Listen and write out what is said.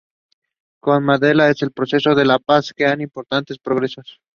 Party candidates also took part in municipal elections in Samara and Nizhny Novgorod.